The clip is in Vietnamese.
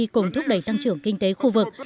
cùng thúc đẩy tăng trưởng kinh tế khu vực